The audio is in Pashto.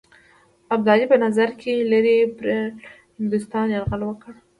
ابدالي په نظر کې لري پر هندوستان یرغل وکړي.